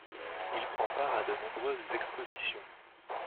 Il prend part à de nombreuses expositions.